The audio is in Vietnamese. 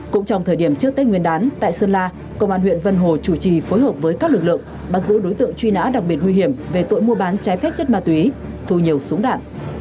cũng trong thời điểm trước tết nguyên đán tại sơn la công an huyện vân hồ chủ trì phối hợp với các lực lượng bắt giữ đối tượng truy nã đặc biệt nguy hiểm về tội mua bán trái phép chất ma túy thu nhiều súng đạn